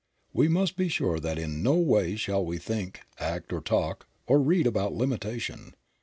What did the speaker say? We must be sure that in no way shall we think, act or talk or read about limitation.